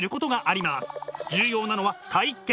重要なのは体験。